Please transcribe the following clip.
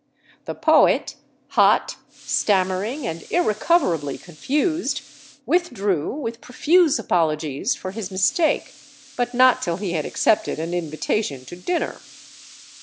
The poet, hot, stammering, and irrecoverably confused, withdrew with profuse apologies for his mistake, but not till he had accepted an invitation to dinner.